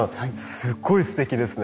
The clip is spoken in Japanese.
すごいすてきですね。